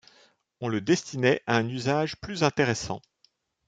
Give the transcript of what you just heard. On le destinait à un usage plus intéressant.